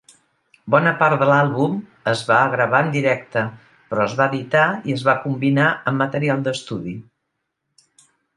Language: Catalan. Bona part de l'àlbum es va gravar en directe, però es va editar i es va combinar amb material d'estudi.